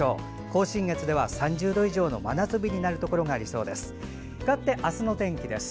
甲信越では３０度以上の真夏日になるところがありそうです。